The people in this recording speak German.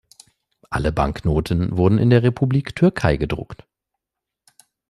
Alle Banknoten wurden in der Republik Türkei gedruckt.